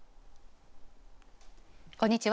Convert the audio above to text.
こんにちは。